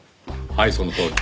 はいそのとおり。